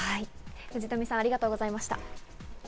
藤富さん、ありがとうございました。